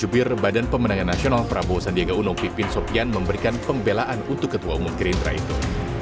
prabowo sandiaga unom pipin sobian memberikan pembelaan untuk ketua umum kirindra itu